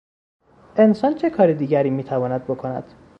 انسان چه کار دیگری میتواند بکند؟